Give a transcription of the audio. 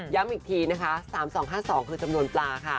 อีกทีนะคะ๓๒๕๒คือจำนวนปลาค่ะ